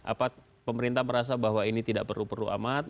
apa pemerintah merasa bahwa ini tidak perlu perlu amat